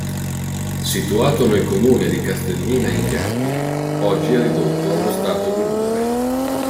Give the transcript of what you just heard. Situato nel comune di Castellina in Chianti, oggi è ridotto allo stato di rudere.